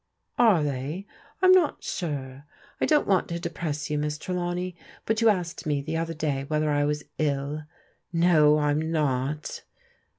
" "Are they? I'm not sure. I don't want to depress you. Miss Trelawney, but you asked me the other day whether I was ill. No, I am not